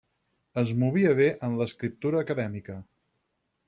Es movia bé en l'escriptura acadèmica.